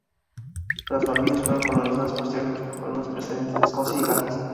Las Malvinas fueron colonizadas posteriormente por colonos procedentes de Escocia y Gales.